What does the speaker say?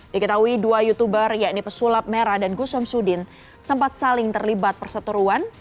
diketahui dua youtuber yakni pesulap merah dan gus samsudin sempat saling terlibat perseteruan